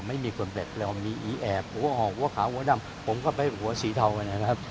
ไม่มีคนเป็ดแล้วมีอี๋แอบหัวห่อหัวขาหัวดำผมก็เป็นหัวสีเทาเนี่ยครับ